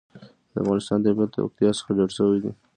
د افغانستان طبیعت له پکتیا څخه جوړ شوی دی.